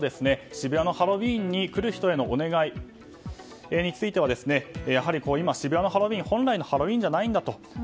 渋谷のハロウィーンに来る人へのお願いについては今、渋谷のハロウィーンは本来のハロウィーンじゃないんだと。